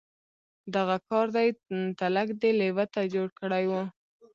دغه کار دی تلک دې لېوه ته جوړ کړی و.